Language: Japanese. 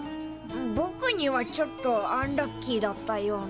ぼくにはちょっとアンラッキーだったような。